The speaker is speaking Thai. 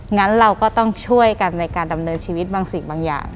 งั้นเราก็ต้องช่วยกันในการดำเนินชีวิตบางสิ่งบางอย่าง